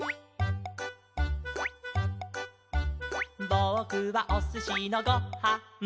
「ぼくはおすしのご・は・ん」